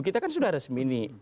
kita kan sudah resmi nih